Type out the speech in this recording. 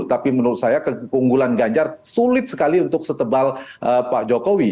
tapi menurut saya keunggulan ganjar sulit sekali untuk setebal pak jokowi